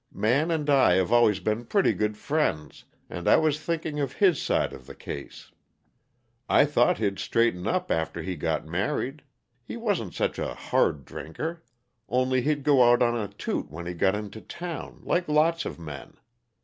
Man and I have always been pretty good friends, and I was thinking of his side of the case. I thought he'd straighten up after he got married; he wasn't such a hard drinker only he'd go on a toot when he got into town, like lots of men.